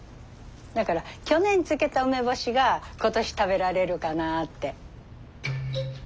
だから去年漬けた梅干しが今年食べられるかなって。